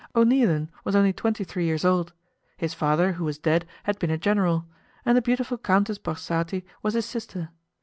O'Neilan was only twenty three years old; his father, who was dead, had been a general, and the beautiful Countess Borsati was his sister.